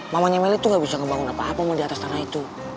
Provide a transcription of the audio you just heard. mamanya meli tuh gak bisa ngebangun apa apa di atas tanah itu